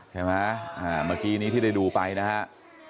เห็นไหมเมื่อกี้นี้ที่ได้ดูไปนะครับ